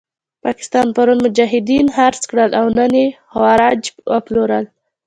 پاکستان پرون مجاهدین خرڅ کړل او نن یې خوارج وپلورل.